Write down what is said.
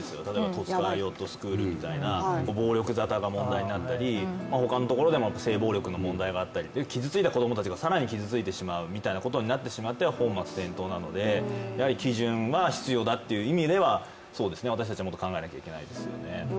戸塚ヨットスクールみたいな暴力沙汰が問題になったり他のところでも性暴力の問題もあったり、傷ついた子供たちが更に傷ついてしまうということになってしまっては本末転倒なので基準は必要だという意味では、私たちももっと考えなきゃいけないですよね。